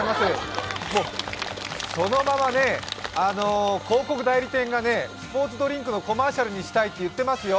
そのまま広告代理店がスポーツドリンクのコマーシャルにしたいって言ってますよ、